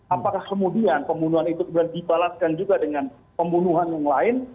apakah kemudian pembunuhan itu kemudian dibalaskan juga dengan pembunuhan yang lain